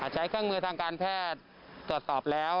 ใช้เครื่องมือทางการแพทย์ตรวจสอบแล้ว